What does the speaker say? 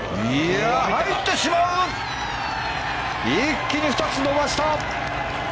一気に２つ伸ばした！